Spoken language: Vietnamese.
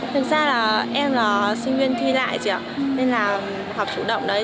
thật ra là em là sinh viên thi lại nên là học chủ động đấy